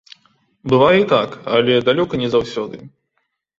Бывае і так, але далёка не заўсёды.